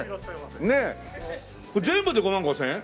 これ全部で５万５０００円？